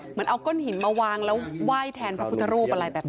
เหมือนเอาก้อนหินมาวางแล้วไหว้แทนพระพุทธรูปอะไรแบบนี้